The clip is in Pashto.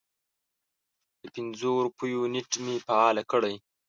د پنځو روپیو نیټ مې فعال کړی